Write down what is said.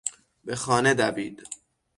به خانه دوید.